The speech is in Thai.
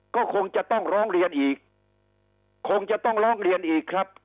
ก็คงจะต้องล้องเรียนอีกครับ